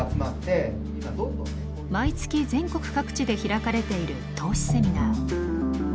毎月全国各地で開かれている投資セミナー。